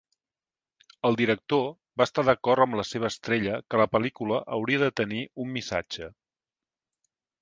El director va estar d'acord amb la seva estrella que la pel·lícula hauria de tenir un missatge.